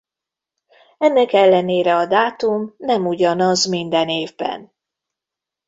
Ennek ellenére a dátum nem ugyanaz minden évben.